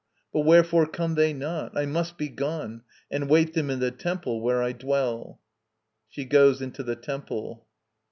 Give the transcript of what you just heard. But wherefore come they not? I must be gone And wait them in the temple, where I dwell. [She goes into the Temple.